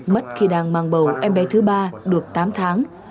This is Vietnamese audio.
mất khi đang mang bầu em bé thứ ba được tám tháng